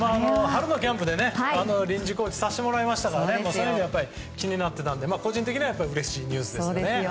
春のキャンプで臨時コーチをさせてもらいましたからそういう意味では気になっていたので個人的にはうれしいニュースですね。